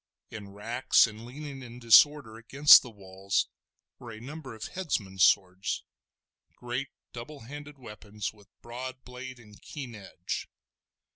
In racks, and leaning in disorder against the walls, were a number of headsmen's swords, great double handed weapons with broad blade and keen edge.